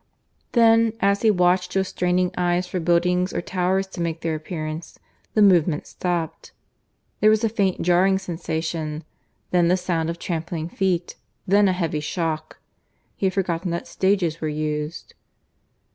Then, as he watched with straining eyes for buildings or towers to make their appearance, the movement stopped; there was a faint jarring sensation, then the sound of trampling feet, then a heavy shock. He had forgotten that stages were used.